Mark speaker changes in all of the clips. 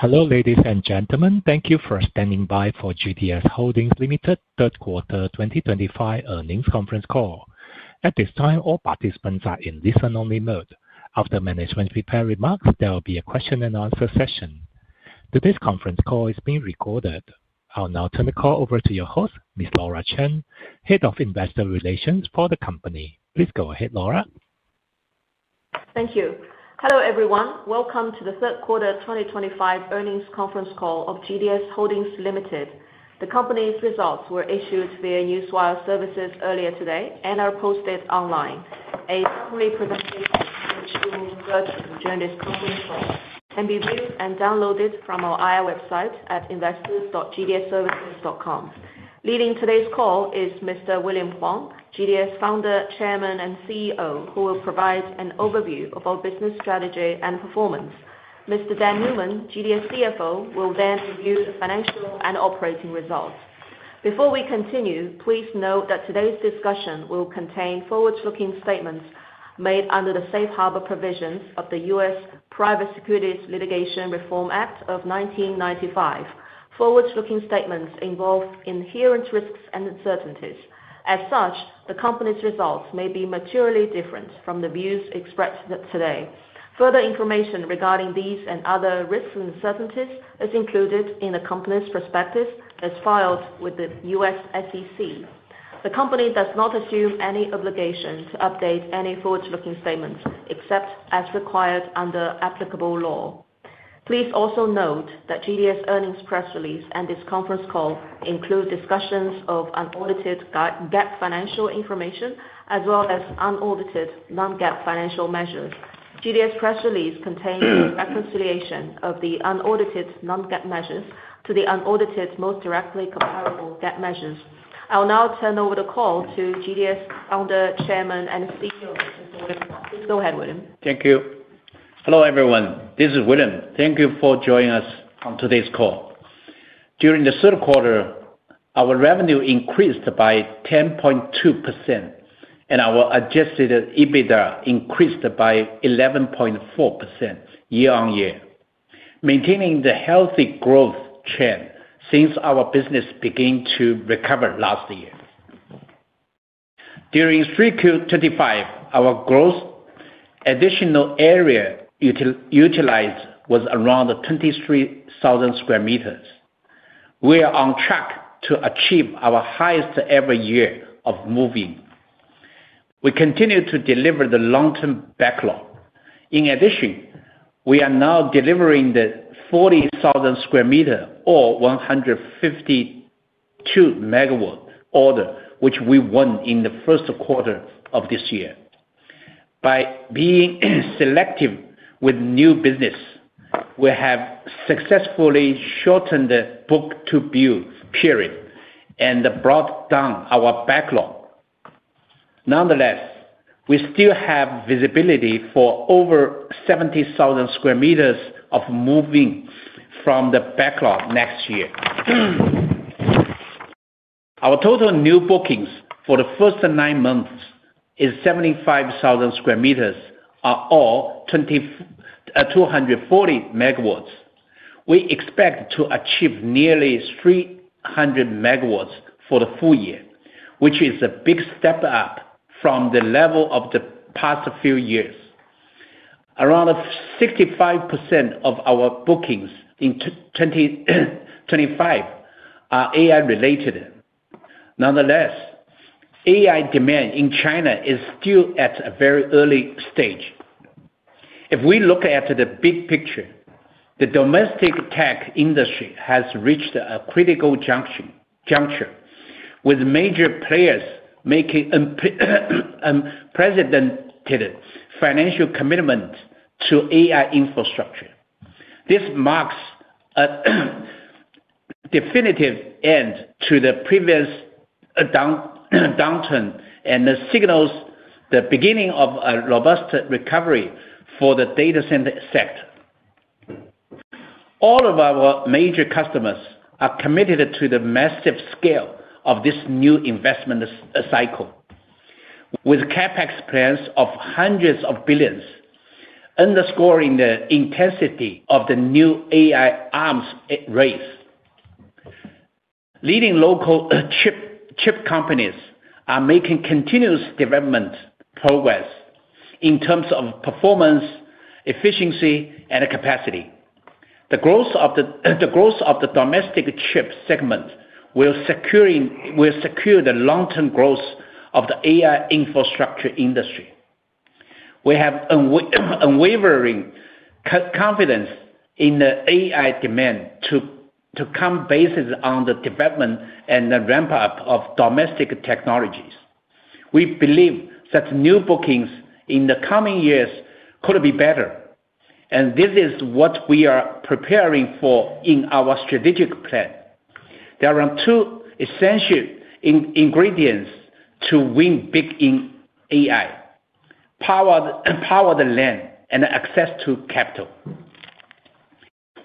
Speaker 1: Hello, ladies and gentlemen. Thank you for standing by for GDS Holdings Limited, Third Quarter 2025 Earnings Conference Call. At this time, all participants are in listen-only mode. After management prepare remarks, there will be a question-and-answer session. Today's conference call is being recorded. I'll now turn the call over to your host, Ms. Laura Chen, Head of Investor Relations for the company. Please go ahead, Laura.
Speaker 2: Thank you. Hello, everyone. Welcome to the Third Quarter 2025 Earnings Conference Call of GDS Holdings Limited. The company's results were issued via Newswire Services earlier today and are posted online. A summary presentation, which we will be viewing virtually during this conference call, can be viewed and downloaded from our IR website at investors.gdservices.com. Leading today's call is Mr. William Huang, GDS Founder, Chairman, and CEO, who will provide an overview of our business strategy and performance. Mr. Dan Newman, GDS CFO, will then review the financial and operating results. Before we continue, please note that today's discussion will contain forward-looking statements made under the Safe Harbor Provisions of the U.S. Private Securities Litigation Reform Act of 1995. Forward-looking statements involve inherent risks and uncertainties. As such, the company's results may be materially different from the views expressed today. Further information regarding these and other risks and uncertainties is included in the company's prospectus as filed with the U.S. SEC. The company does not assume any obligation to update any forward-looking statements except as required under applicable law. Please also note that GDS earnings press release and this conference call include discussions of unaudited GAAP financial information as well as unaudited non-GAAP financial measures. GDS press release contains a reconciliation of the unaudited non-GAAP measures to the unaudited most directly comparable GAAP measures. I'll now turn over the call to GDS Founder, Chairman, and CEO, Mr. William Huang. Please go ahead, William.
Speaker 3: Thank you. Hello, everyone. This is William. Thank you for joining us on today's call. During the third quarter, our revenue increased by 10.2%, and our adjusted EBITDA increased by 11.4% year-on-year, maintaining the healthy growth trend since our business began to recover last year. During 3Q 2025, our gross additional area utilized was around 23,000 sq m. We are on track to achieve our highest ever year of moving. We continue to deliver the long-term backlog. In addition, we are now delivering the 40,000 sq m or 152 MW order, which we won in the first quarter of this year. By being selective with new business, we have successfully shortened the book-to-build period and brought down our backlog. Nonetheless, we still have visibility for over 70,000 sq m of moving from the backlog next year. Our total new bookings for the first nine months is 75,000 sq m, or 240 megawatts. We expect to achieve nearly 300 megawatts for the full year, which is a big step up from the level of the past few years. Around 65% of our bookings in 2025 are AI-related. Nonetheless, AI demand in China is still at a very early stage. If we look at the big picture, the domestic tech industry has reached a critical juncture, with major players making unprecedented financial commitments to AI infrastructure. This marks a definitive end to the previous downturn and signals the beginning of a robust recovery for the data center sector. All of our major customers are committed to the massive scale of this new investment cycle, with CapEx plans of hundreds of billions, underscoring the intensity of the new AI arms race. Leading local chip companies are making continuous development progress in terms of performance, efficiency, and capacity. The growth of the domestic chip segment will secure the long-term growth of the AI infrastructure industry. We have unwavering confidence in the AI demand to come basis on the development and the ramp-up of domestic technologies. We believe that new bookings in the coming years could be better, and this is what we are preparing for in our strategic plan. There are two essential ingredients to win big in AI: powered land and access to capital.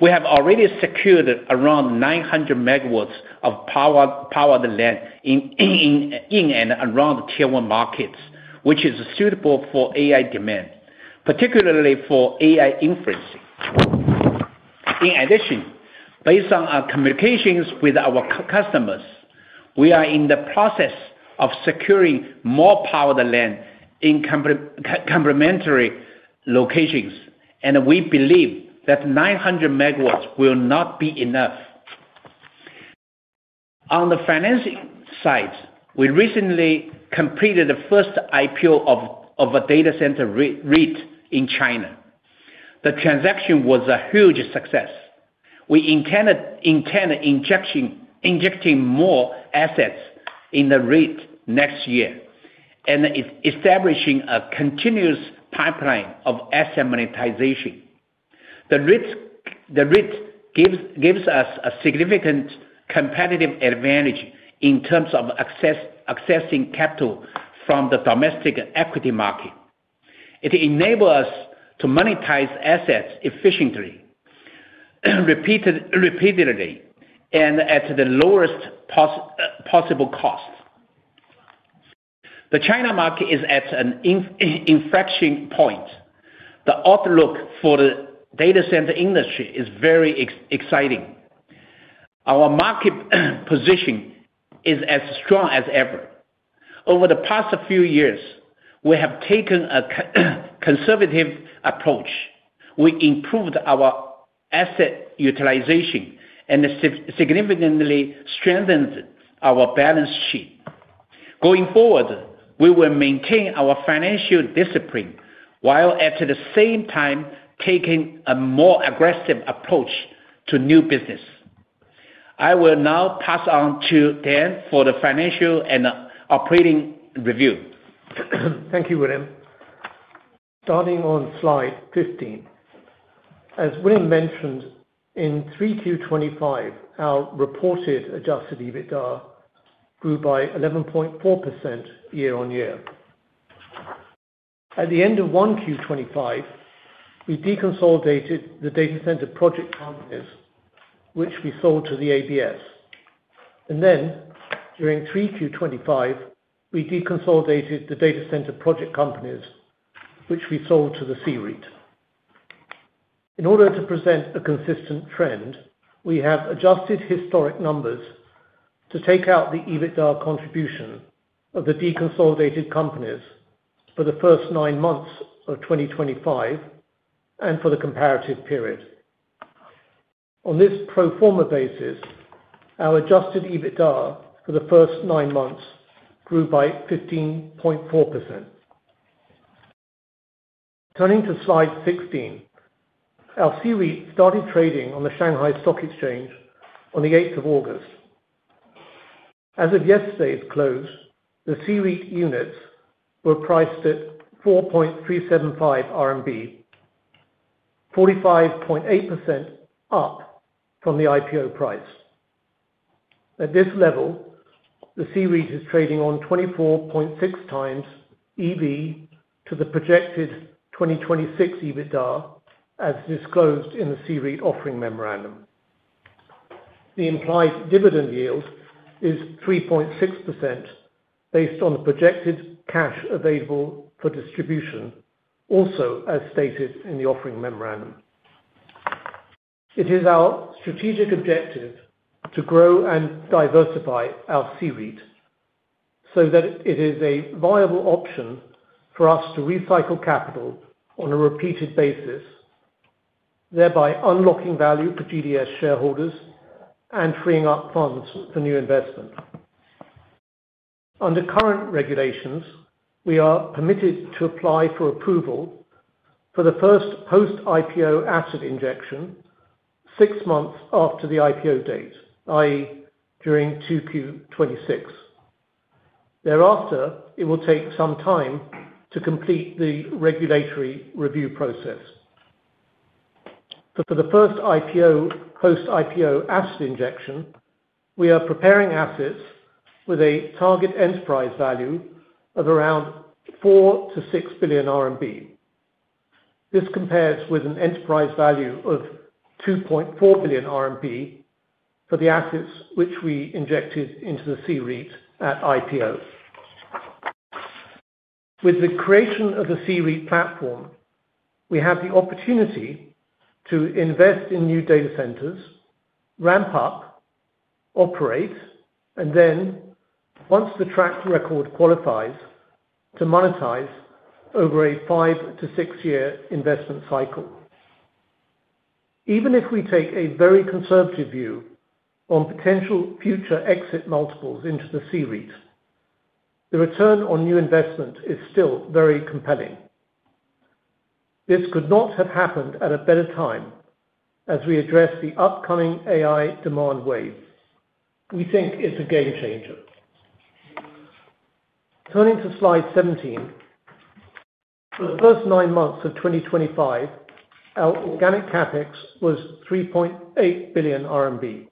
Speaker 3: We have already secured around 900 megawatts of powered land in and around tier one markets, which is suitable for AI demand, particularly for AI inferencing. In addition, based on our communications with our customers, we are in the process of securing more powered land in complementary locations, and we believe that 900 megawatts will not be enough. On the financing side, we recently completed the first IPO of a data center REIT in China. The transaction was a huge success. We intend injecting more assets in the REIT next year and establishing a continuous pipeline of asset monetization. The REIT gives us a significant competitive advantage in terms of accessing capital from the domestic equity market. It enables us to monetize assets efficiently, repeatedly, and at the lowest possible cost. The China market is at an inflection point. The outlook for the data center industry is very exciting. Our market position is as strong as ever. Over the past few years, we have taken a conservative approach. We improved our asset utilization and significantly strengthened our balance sheet. Going forward, we will maintain our financial discipline while at the same time taking a more aggressive approach to new business. I will now pass on to Dan for the financial and operating review.
Speaker 4: Thank you, William. Starting on slide 15, as William mentioned, in 3Q 2025, our reported adjusted EBITDA grew by 11.4% year-on-year. At the end of 1Q 2025, we deconsolidated the data center project companies, which we sold to the ABS. During 3Q 2025, we deconsolidated the data center project companies, which we sold to the CREET. In order to present a consistent trend, we have adjusted historic numbers to take out the EBITDA contribution of the deconsolidated companies for the first nine months of 2025 and for the comparative period. On this pro forma basis, our adjusted EBITDA for the first nine months grew by 15.4%. Turning to slide 16, our CREET started trading on the Shanghai Stock Exchange on the 8th of August. As of yesterday's close, the CREET units were priced at 4.375 RMB, 45.8% up from the IPO price. At this level, the CREET is trading on 24.6 times EV to the projected 2026 EBITDA, as disclosed in the CREET offering memorandum. The implied dividend yield is 3.6% based on the projected cash available for distribution, also as stated in the offering memorandum. It is our strategic objective to grow and diversify our CREET so that it is a viable option for us to recycle capital on a repeated basis, thereby unlocking value for GDS shareholders and freeing up funds for new investment. Under current regulations, we are permitted to apply for approval for the first post-IPO asset injection six months after the IPO date, i.e., during 2Q 2026. Thereafter, it will take some time to complete the regulatory review process. For the first IPO post-IPO asset injection, we are preparing assets with a target enterprise value of around 4 billion-6 billion RMB. This compares with an enterprise value of 2.4 billion RMB for the assets which we injected into the CREET at IPO. With the creation of the CREET platform, we have the opportunity to invest in new data centers, ramp up, operate, and then, once the track record qualifies, to monetize over a five- to six-year investment cycle. Even if we take a very conservative view on potential future exit multiples into the CREET, the return on new investment is still very compelling. This could not have happened at a better time as we address the upcoming AI demand wave. We think it's a game changer. Turning to slide 17, for the first nine months of 2025, our organic CapEx was 3.8 billion RMB.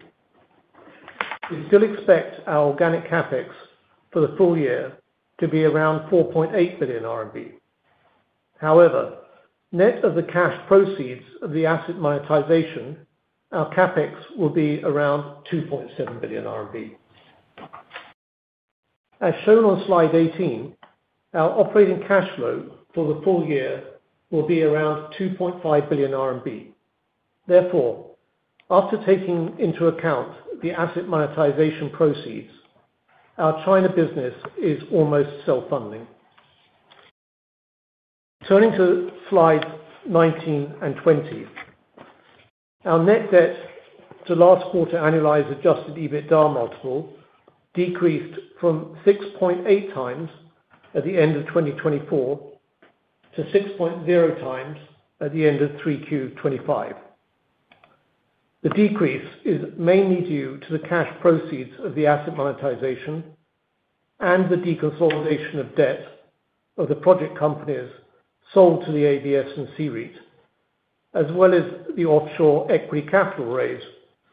Speaker 4: We still expect our organic CapEx for the full year to be around 4.8 billion RMB. However, net of the cash proceeds of the asset monetization, our CapEx will be around 2.7 billion RMB. As shown on slide 18, our operating cash flow for the full year will be around 2.5 billion RMB. Therefore, after taking into account the asset monetization proceeds, our China business is almost self-funding. Turning to slides 19 and 20, our net debt to last quarter annualized adjusted EBITDA multiple decreased from 6.8 times at the end of 2024 to 6.0 times at the end of 3Q 2025. The decrease is mainly due to the cash proceeds of the asset monetization and the deconsolidation of debt of the project companies sold to the ABS and CREET, as well as the offshore equity capital raise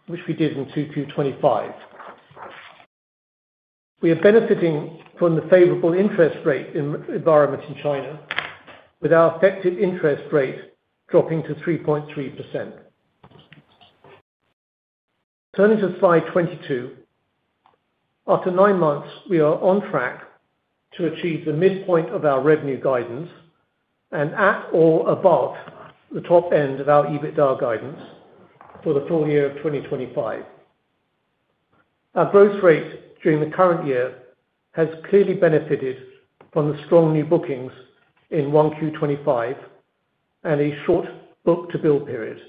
Speaker 4: which we did in 2Q 2025. We are benefiting from the favorable interest rate environment in China, with our effective interest rate dropping to 3.3%. Turning to slide 22, after nine months, we are on track to achieve the midpoint of our revenue guidance and at or above the top end of our EBITDA guidance for the full year of 2025. Our growth rate during the current year has clearly benefited from the strong new bookings in 1Q25 and a short book-to-build period.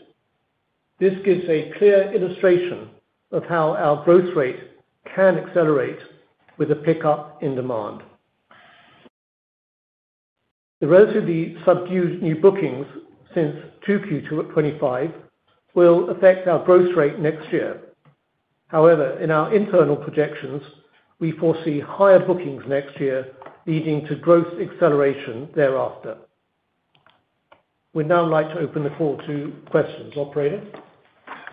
Speaker 4: This gives a clear illustration of how our growth rate can accelerate with a pickup in demand. The relatively subdued new bookings since 2Q25 will affect our growth rate next year. However, in our internal projections, we foresee higher bookings next year, leading to growth acceleration thereafter. We'd now like to open the call to questions, operator.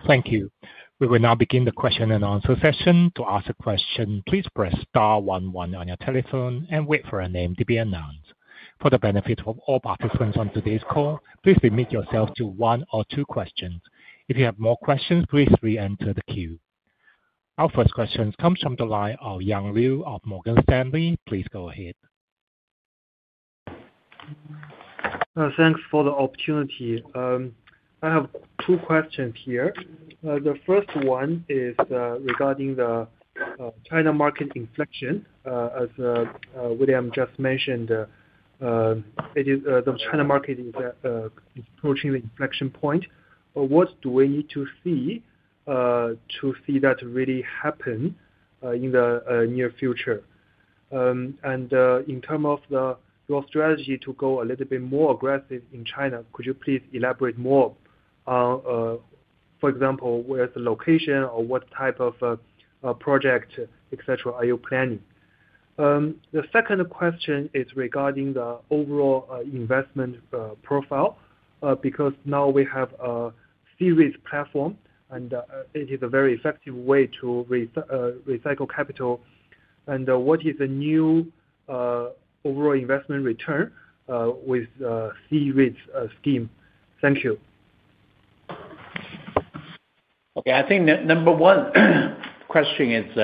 Speaker 1: Thank you. We will now begin the question and answer session. To ask a question, please press star 11 on your telephone and wait for a name to be announced. For the benefit of all participants on today's call, please limit yourself to one or two questions. If you have more questions, please re-enter the queue. Our first question comes from the line of Yang Liu of Morgan Stanley. Please go ahead.
Speaker 5: Thanks for the opportunity. I have two questions here. The first one is regarding the China market inflection. As William just mentioned, the China market is approaching the inflection point. What do we need to see to see that really happen in the near future? In terms of your strategy to go a little bit more aggressive in China, could you please elaborate more? For example, where is the location or what type of project, etc., are you planning? The second question is regarding the overall investment profile because now we have a CREET platform, and it is a very effective way to recycle capital. What is the new overall investment return with the CREET scheme? Thank you.
Speaker 3: Okay. I think number one question is,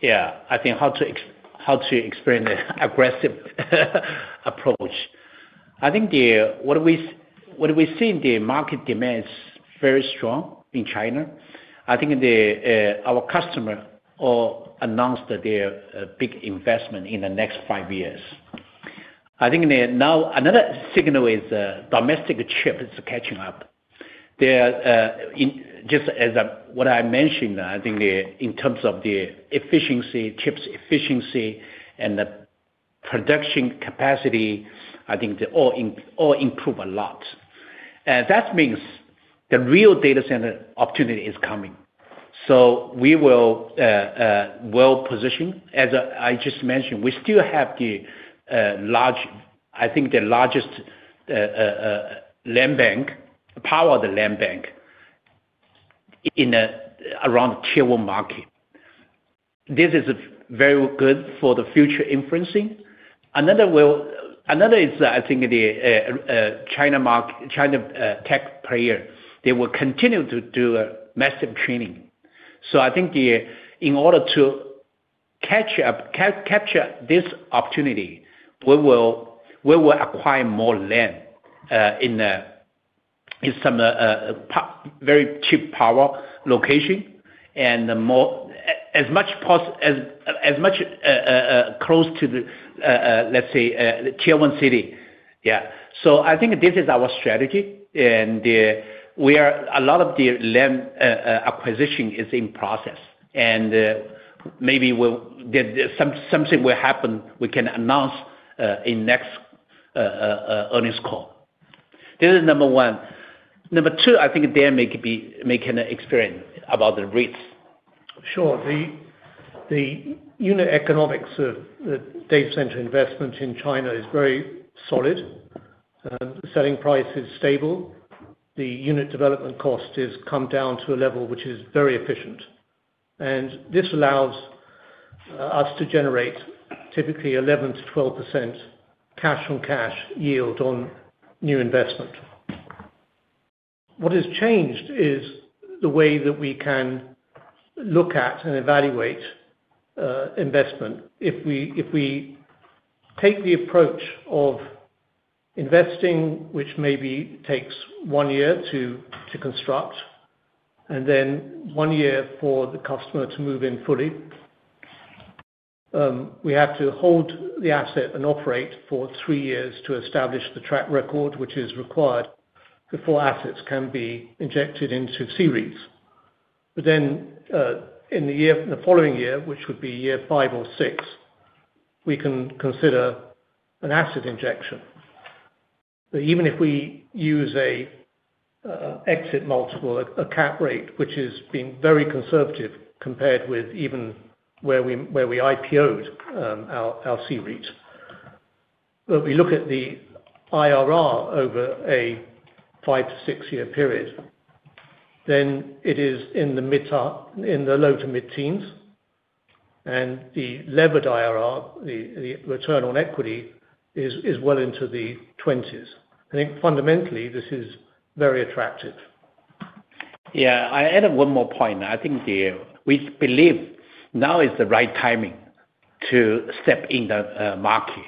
Speaker 3: yeah, I think how to explain the aggressive approach. I think what we see in the market demand is very strong in China. I think our customer announced their big investment in the next five years. I think now another signal is domestic chips catching up. Just as what I mentioned, I think in terms of the chips efficiency and the production capacity, I think they all improve a lot. That means the real data center opportunity is coming. We will well position. As I just mentioned, we still have the large, I think the largest land bank, powered land bank, in around tier one market. This is very good for the future inferencing. Another is, I think, the China tech player. They will continue to do massive training. I think in order to catch up, capture this opportunity, we will acquire more land in some very cheap power location and as much close to, let's say, tier one city. Yeah. I think this is our strategy, and a lot of the land acquisition is in process. Maybe something will happen. We can announce in next earnings call. This is number one. Number two, I think Dan maybe can explain about the REITs.
Speaker 4: Sure. The unit economics of data center investment in China is very solid. Selling price is stable. The unit development cost has come down to a level which is very efficient. This allows us to generate typically 11%-12% cash-on-cash yield on new investment. What has changed is the way that we can look at and evaluate investment. If we take the approach of investing, which maybe takes one year to construct, and then one year for the customer to move in fully, we have to hold the asset and operate for three years to establish the track record which is required before assets can be injected into CREET. In the following year, which would be year five or six, we can consider an asset injection. Even if we use an exit multiple, a cap rate, which has been very conservative compared with even where we IPOed our CREET, but we look at the IRR over a five to six-year period, then it is in the low to mid-teens. The levered IRR, the return on equity, is well into the 20s. I think fundamentally, this is very attractive.
Speaker 3: Yeah. I added one more point. I think we believe now is the right timing to step in the market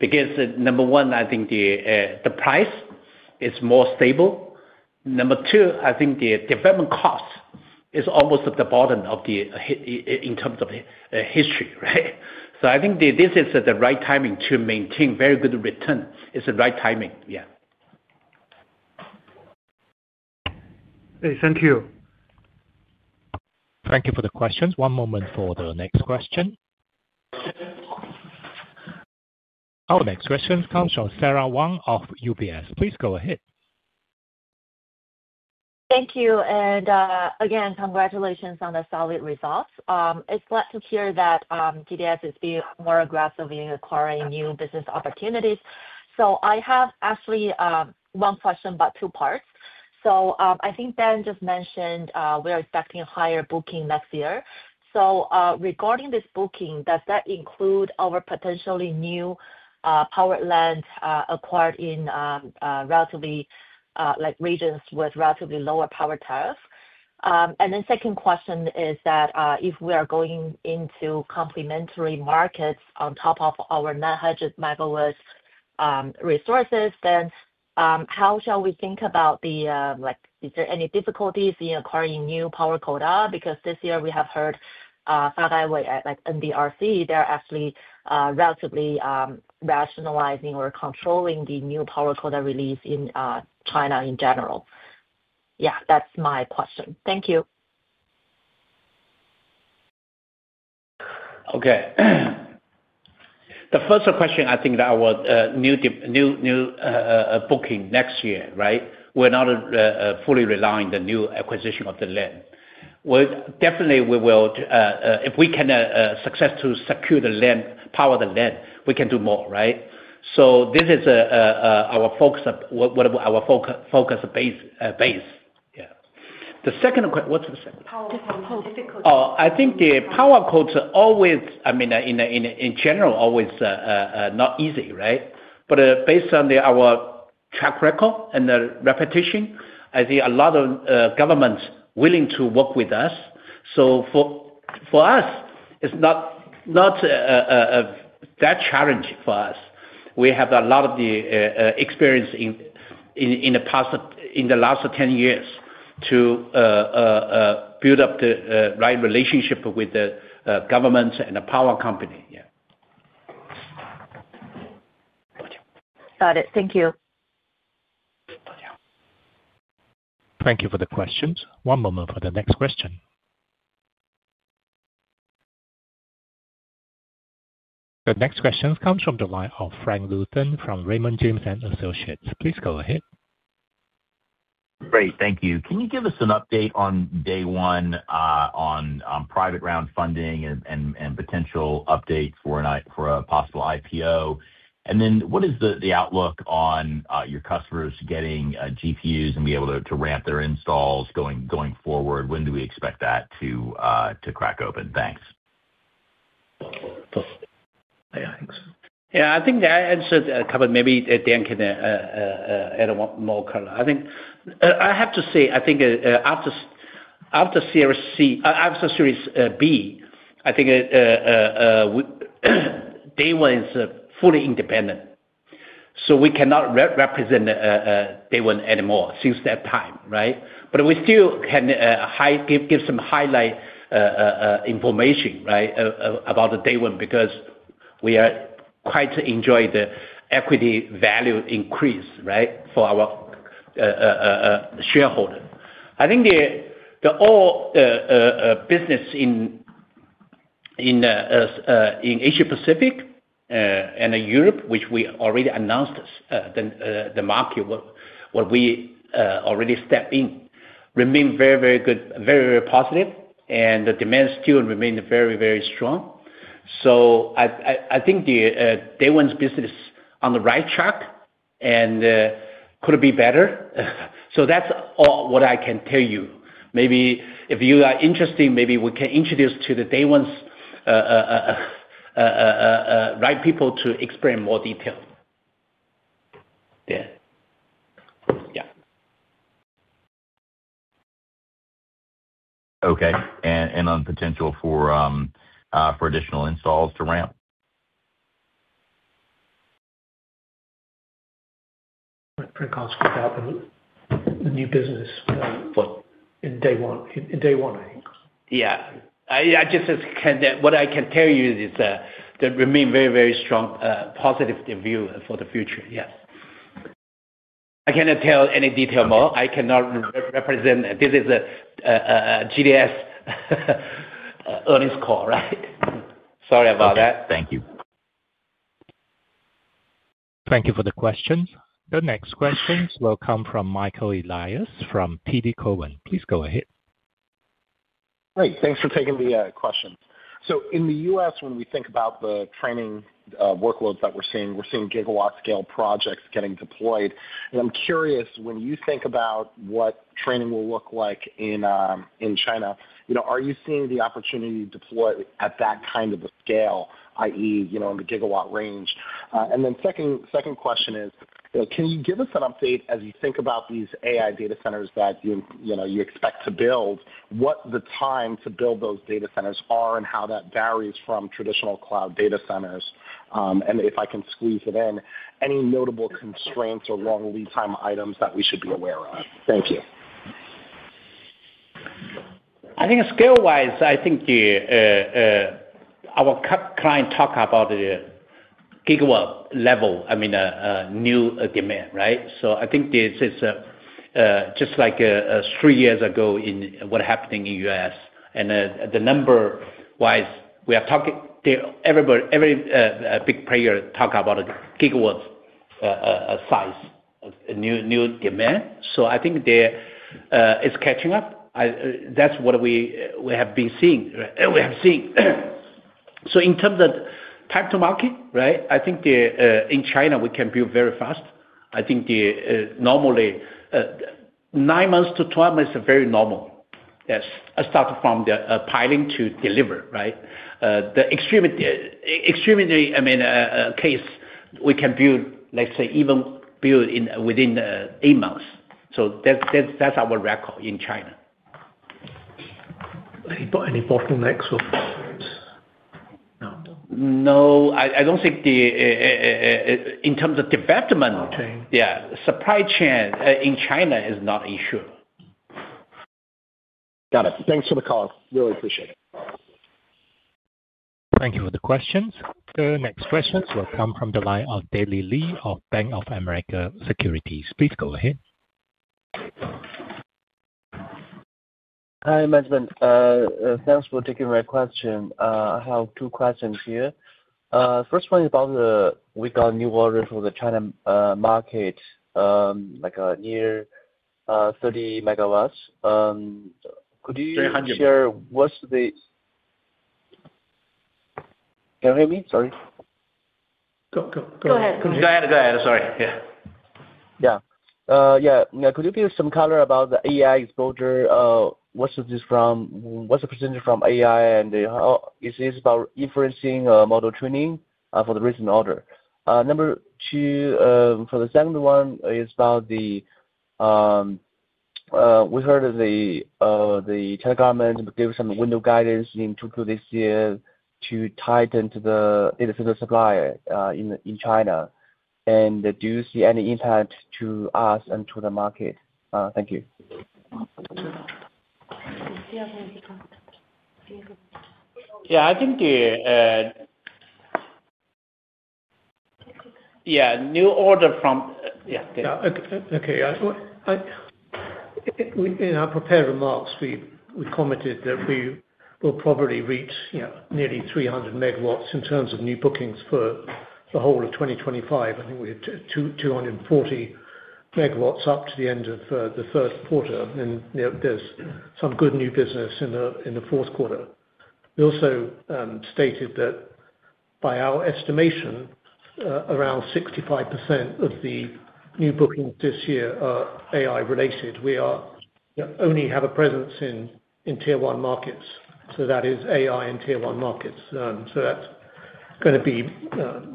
Speaker 3: because, number one, I think the price is more stable. Number two, I think the development cost is almost at the bottom in terms of history, right? I think this is the right timing to maintain very good return. It's the right timing. Yeah.
Speaker 5: Thank you.
Speaker 1: Thank you for the questions. One moment for the next question. Our next question comes from Sarah Wang of UBS. Please go ahead.
Speaker 6: Thank you. Congratulations on the solid results. It's glad to hear that GDS is being more aggressive in acquiring new business opportunities. I have actually one question about two parts. I think Dan just mentioned we're expecting higher booking next year. Regarding this booking, does that include our potentially new powered land acquired in regions with relatively lower power tariffs? The second question is that if we are going into complementary markets on top of our 900 megawatt resources, then how shall we think about the is there any difficulties in acquiring new power quota? Because this year we have heard Faraday Way, like NDRC, they're actually relatively rationalizing or controlling the new power quota release in China in general. That's my question. Thank you.
Speaker 3: Okay. The first question, I think that our new booking next year, right, we're not fully relying on the new acquisition of the land. Definitely, if we can successfully secure the land, power the land, we can do more, right? This is our focus base. Yeah. The second question, what's the second?
Speaker 6: Power quota.
Speaker 3: I think the power quota always, I mean, in general, always not easy, right? Based on our track record and the reputation, I think a lot of governments are willing to work with us. For us, it is not that challenging for us. We have a lot of the experience in the last 10 years to build up the right relationship with the government and the power company. Yeah.
Speaker 6: Got it. Thank you.
Speaker 1: Thank you for the questions. One moment for the next question. The next question comes from the line of Frank Louthan from Raymond James & Associates. Please go ahead.
Speaker 7: Great. Thank you. Can you give us an update on Day One on private round funding and potential updates for a possible IPO? What is the outlook on your customers getting GPUs and be able to ramp their installs going forward? When do we expect that to crack open? Thanks.
Speaker 3: Yeah, I think so. Yeah, I think I answered a couple. Maybe Dan can add more color. I have to say, I think after Series B, I think Day One is fully independent. We cannot represent Day One anymore since that time, right? We still can give some highlight information, right, about Day One because we are quite enjoying the equity value increase, right, for our shareholders. I think the whole business in Asia Pacific and Europe, which we already announced the market where we already stepped in, remains very, very good, very, very positive, and the demand still remains very, very strong. I think Day One's business is on the right track and could be better. That's all what I can tell you. Maybe if you are interested, maybe we can introduce you to Day One's right people to explain more detail. Yeah. Yeah.
Speaker 7: Okay. On potential for additional installs to ramp?
Speaker 4: Print costs without the new business in Day One, I think.
Speaker 3: Yeah. What I can tell you is that there remains very, very strong positive view for the future. Yes. I cannot tell any detail more. I cannot represent. This is a GDS earnings call, right? Sorry about that.
Speaker 7: Thank you.
Speaker 1: Thank you for the questions. The next questions will come from Michael Elias from PD Cohen. Please go ahead.
Speaker 8: Great. Thanks for taking the question. In the U.S., when we think about the training workloads that we're seeing, we're seeing gigawatt scale projects getting deployed. I'm curious, when you think about what training will look like in China, are you seeing the opportunity deployed at that kind of a scale, i.e., in the gigawatt range? My second question is, can you give us an update as you think about these AI data centers that you expect to build? What the time to build those data centers is and how that varies from traditional cloud data centers? If I can squeeze it in, any notable constraints or long lead time items that we should be aware of? Thank you.
Speaker 3: I think scale-wise, I think our client talked about the gigawatt level, I mean, new demand, right? I think this is just like three years ago in what happened in the U.S. The number-wise, we are talking every big player talks about gigawatt size, new demand. I think it's catching up. That's what we have been seeing. We have seen. In terms of time to market, right, I think in China, we can build very fast. I think normally 9 months to 12 months is very normal. Yes. Start from the piling to deliver, right? The extremely, I mean, case, we can build, let's say, even build within 8 months. That's our record in China.
Speaker 4: Any bottlenecks or problems?
Speaker 3: No. I don't think in terms of development, yeah, supply chain in China is not ensured.
Speaker 8: Got it. Thanks for the call. Really appreciate it.
Speaker 1: Thank you for the questions. The next questions will come from the line of Daily Lee of Bank of America Securities. Please go ahead.
Speaker 9: Hi, Management. Thanks for taking my question. I have two questions here. First one is about we got new orders for the China market, like near 30 megawatts. Could you share what's the—can you hear me? Sorry.
Speaker 4: Go, go, go.
Speaker 9: Go ahead.
Speaker 3: Go ahead. Sorry. Yeah.
Speaker 9: Yeah. Yeah. Could you give some color about the AI exposure? What's the percentage from AI, and is this about inferencing model training for the recent order? Number two, for the second one is about the—we heard the China government gave some window guidance in Q2 this year to tighten to the data center supplier in China. Do you see any impact to us and to the market? Thank you.
Speaker 3: Yeah. I think the—yeah, new order from—yeah.
Speaker 4: Okay. In our prepared remarks, we commented that we will probably reach nearly 300 megawatts in terms of new bookings for the whole of 2025. I think we had 240 megawatts up to the end of the first quarter. There is some good new business in the fourth quarter. We also stated that by our estimation, around 65% of the new bookings this year are AI-related. We only have a presence in tier one markets. That is AI in tier one markets. That is going to be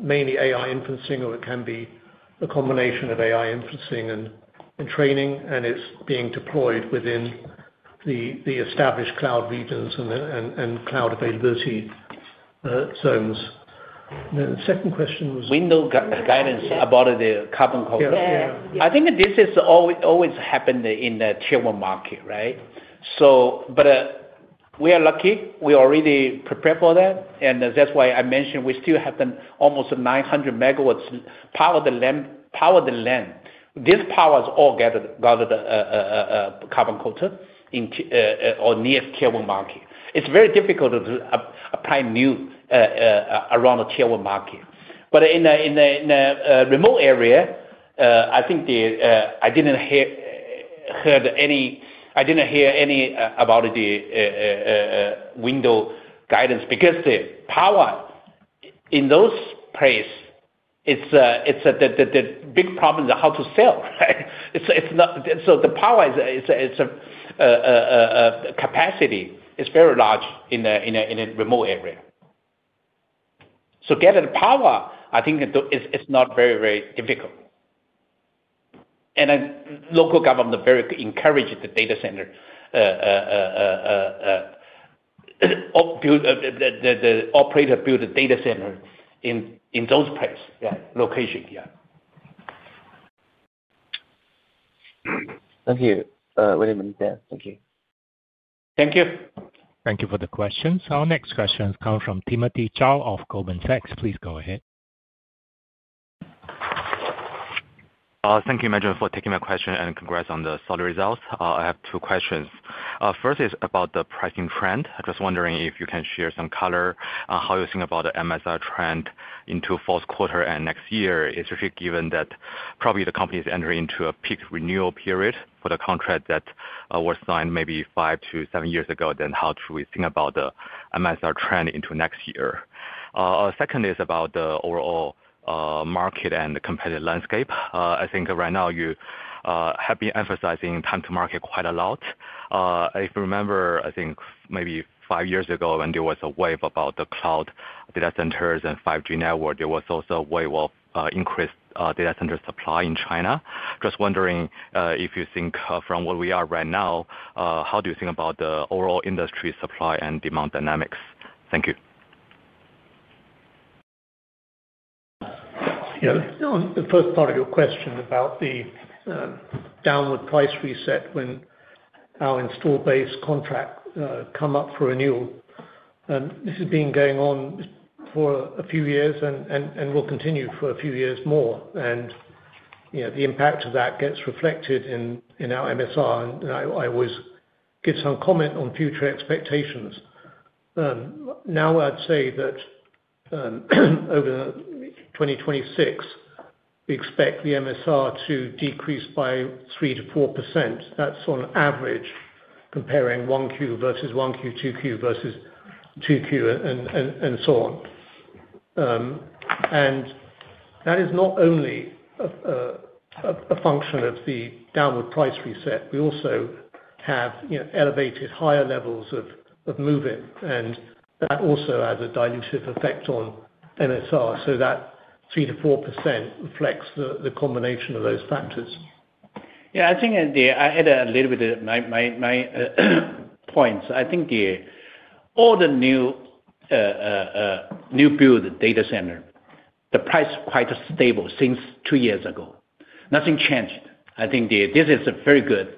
Speaker 4: mainly AI inferencing, or it can be a combination of AI inferencing and training, and it is being deployed within the established cloud regions and cloud availability zones. The second question was.
Speaker 3: Window guidance about the carbon coat? Yeah. Yeah. I think this has always happened in the tier one market, right? We are lucky. We already prepared for that. That is why I mentioned we still have almost 900 megawatts powered land. This power is all gathered carbon coated or near tier one market. It is very difficult to apply new around the tier one market. In the remote area, I think I did not hear any—I did not hear any about the window guidance because the power in those places, the big problem is how to sell, right? The power is a capacity; it is very large in the remote area. Getting the power, I think it is not very, very difficult. Local government very encouraged the data center operator to build a data center in those places, yeah, location. Yeah.
Speaker 9: Thank you. Wait a minute there. Thank you.
Speaker 3: Thank you.
Speaker 1: Thank you for the questions. Our next questions come from Timothy Chow of Goldman Sachs. Please go ahead.
Speaker 10: Thank you, Management, for taking my question and congrats on the solid results. I have two questions. First is about the pricing trend. I'm just wondering if you can share some color on how you're seeing about the MSR trend into fourth quarter and next year. It's really given that probably the company is entering into a peak renewal period for the contract that was signed maybe five to seven years ago. How should we think about the MSR trend into next year? Second is about the overall market and the competitive landscape. I think right now you have been emphasizing time to market quite a lot. If you remember, I think maybe five years ago when there was a wave about the cloud data centers and 5G network, there was also a wave of increased data center supply in China. Just wondering if you think from where we are right now, how do you think about the overall industry supply and demand dynamics? Thank you.
Speaker 4: Yeah. The first part of your question about the downward price reset when our install-based contract comes up for renewal. This has been going on for a few years and will continue for a few years more. The impact of that gets reflected in our MSR. I always give some comment on future expectations. Now, I'd say that over 2026, we expect the MSR to decrease by 3-4%. That's on average, comparing 1Q versus 1Q, 2Q versus 2Q, and so on. That is not only a function of the downward price reset. We also have elevated higher levels of movement. That also has a dilutive effect on MSR. That 3-4% reflects the combination of those factors.
Speaker 3: Yeah. I think I add a little bit of my points. I think all the new build data center, the price is quite stable since two years ago. Nothing changed. I think this is very good.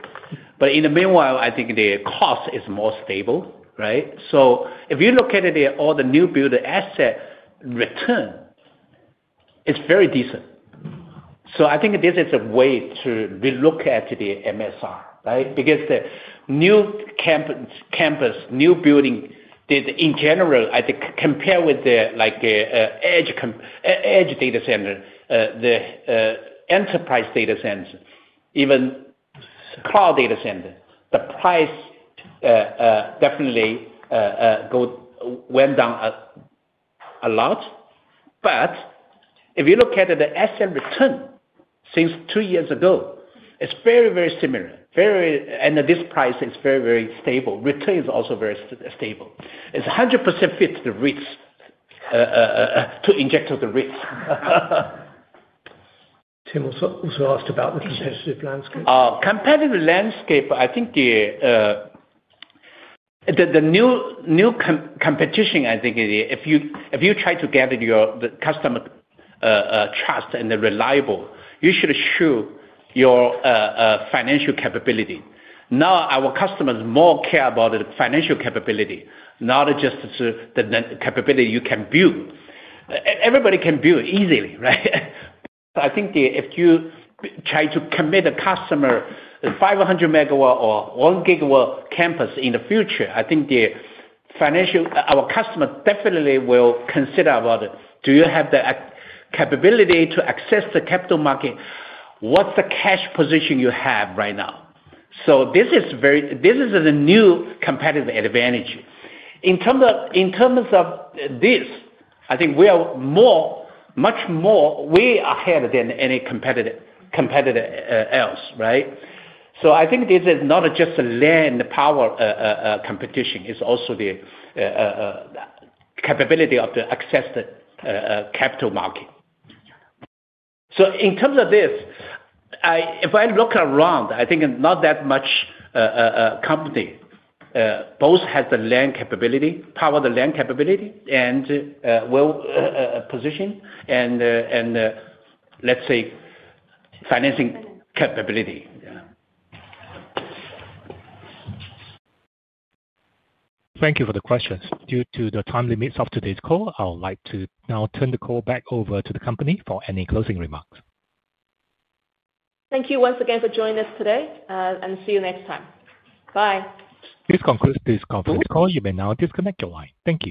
Speaker 3: In the meanwhile, I think the cost is more stable, right? If you look at all the new build asset return, it's very decent. I think this is a way to relook at the MSR, right? Because the new campus, new building, in general, I think compared with the edge data center, the enterprise data center, even cloud data center, the price definitely went down a lot. If you look at the asset return since two years ago, it's very, very similar. This price is very, very stable. Return is also very stable. It's 100% fit to inject to the risk.
Speaker 4: Tim also asked about the competitive landscape.
Speaker 3: Competitive landscape, I think the new competition, I think if you try to gather the customer trust and the reliability, you should assure your financial capability. Now, our customers more care about the financial capability, not just the capability you can build. Everybody can build easily, right? I think if you try to commit a customer 500 megawatt or 1 gigawatt campus in the future, I think our customer definitely will consider about do you have the capability to access the capital market? What's the cash position you have right now? This is a new competitive advantage. In terms of this, I think we are much more way ahead than any competitor else, right? I think this is not just land power competition. It's also the capability of the access to capital market. In terms of this, if I look around, I think not that much company both has the land capability, power the land capability, and position, and let's say financing capability. Yeah.
Speaker 1: Thank you for the questions. Due to the time limits of today's call, I would like to now turn the call back over to the company for any closing remarks.
Speaker 10: Thank you once again for joining us today, and see you next time. Bye.
Speaker 1: This concludes this conference call. You may now disconnect your line. Thank you.